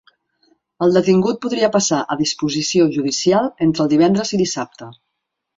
El detingut podria passar a disposició judicial entre el divendres i dissabte.